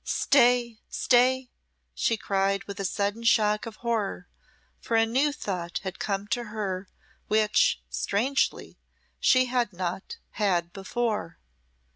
"Stay, stay!" she cried, with a sudden shock of horror, for a new thought had come to her which, strangely, she had not had before.